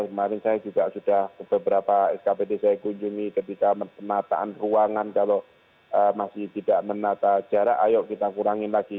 kemarin saya juga sudah beberapa skpd saya kunjungi ketika penataan ruangan kalau masih tidak menata jarak ayo kita kurangin lagi